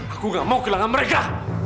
aku gak mau kehilangan mereka